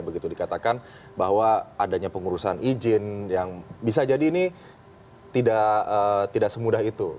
begitu dikatakan bahwa adanya pengurusan izin yang bisa jadi ini tidak semudah itu